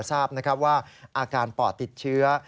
ทราบว่าอาการปอดติดเชื้อ